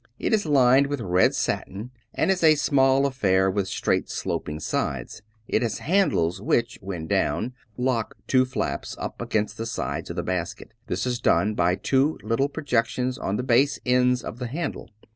It is lined with red satin and is a small affair with straight sloping sides. It has a handle which, when down, locks two flaps up against the sides of the basket. This is done by two little projections on the base ends of the handle.